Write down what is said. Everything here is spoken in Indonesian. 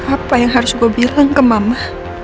apa yang harus gue bilang ke mama